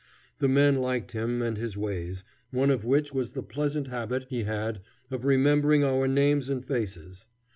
The men liked him and his ways, one of which was the pleasant habit he had of remembering our names and faces.